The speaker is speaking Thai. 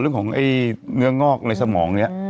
เรื่องของไอ้เนื้องอกในสมองนี้